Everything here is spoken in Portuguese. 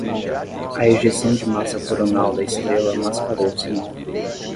A ejeção de massa coronal da estrela mascarou o sinal.